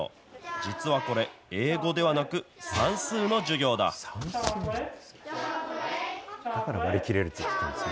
実はこれ、英語ではなく、算数の授業だ。